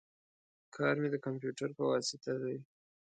کار می د کمپیوټر په واسطه دی